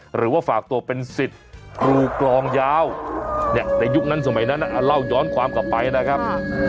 หรือว่าฝากตัวเป็นสิทธิ์ครูกรองยาวในยุคนั้นสมัยนั้นเล่าย้อนความกลับไปนะครับ